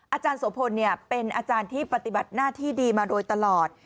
อาจารย์โสพลเป็นอาจารย์ที่ปฏิบัติหน้าที่ดีมาโดยตลอด